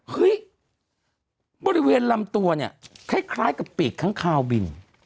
เฮ้ยบริเวณลำตัวเนี่ยคล้ายกับปีกค้างคาวบิน